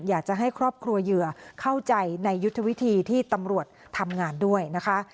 อยากจะให้ครอบครัวเหยื่อเข้าใจในยุทธวิธีที่ตำรวจทำงานด้วยนะคะ